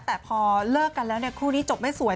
แต่พอเลิกกันแล้วเนี่ยคู่นี้จบไม่สวย